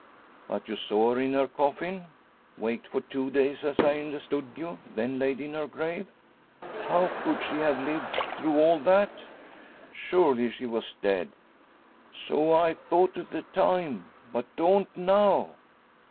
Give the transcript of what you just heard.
"But you saw her in her coffin? Waked for two days, as I understood you; then laid in her grave? How could she have lived throughout all that? Surely she was dead!" "So I thought at the time, but don't now."